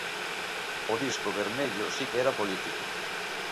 O Disco Vermello si que era político.